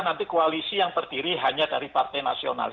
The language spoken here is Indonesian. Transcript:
nanti koalisi yang terdiri hanya dari partai nasional